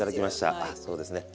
はいそうですね。